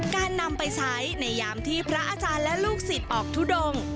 การนำไปใช้ในยามที่พระอาจารย์และลูกศิษย์ออกทุดง